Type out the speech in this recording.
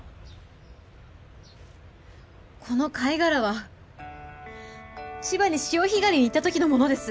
この貝殻は千葉に潮干狩りに行ったときのものです。